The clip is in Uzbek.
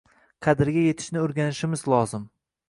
Qadriga yetishni oʻrganishimiz lozim